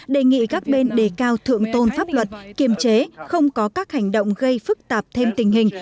đề nghị các bên đề cao thượng tôn pháp luật kiềm chế không có các hành động gây phức tạp thêm tình hình